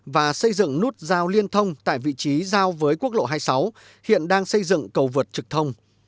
và xây dựng nút giao liên thông tại vị trí giao với quốc lộ hai mươi sáu hiện đang xây dựng cầu vượt trực thông